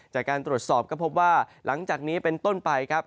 จากการตรวจสอบก็พบว่าหลังจากนี้เป็นต้นไปครับ